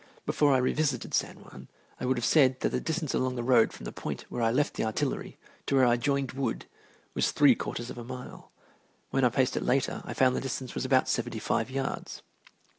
Before I revisited San Juan I would have said that the distance along the road from the point where I left the artillery to where I joined Wood was three quarters of a mile. When I paced it later I found the distance was about seventy five yards.